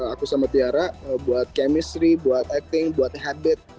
aku sama tiara buat chemistry buat acting buat habit